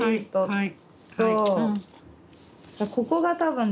はい。